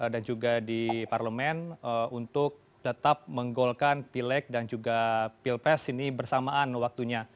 dan juga di parlemen untuk tetap menggolkan pileg dan juga pilpres ini bersamaan waktunya